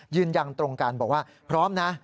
ยืนยันตรงกันบอกว่าพร้อมนะ